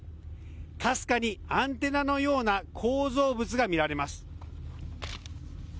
かすかにアンテナのような構造物が見られます。